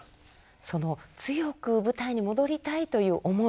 その強く舞台に戻りたいという思い